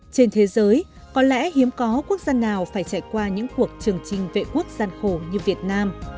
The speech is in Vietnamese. trên thế giới có lẽ hiếm có quốc gia nào phải trải qua những cuộc trường trình vệ quốc gian khổ như việt nam